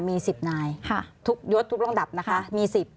มี๑๐นายทุกยศทุกลำดับนะคะมี๑๐